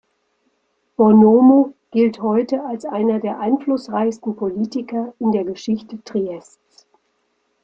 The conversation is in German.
Bonomo gilt heute als einer der einflussreichsten Politiker in der Geschichte Triests.